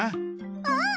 うん！